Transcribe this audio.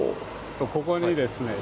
ここにですね